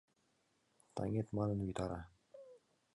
Таҥет манын витара.